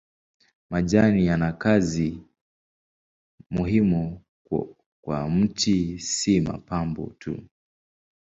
Majani yana kazi muhimu kwa mti si mapambo tu.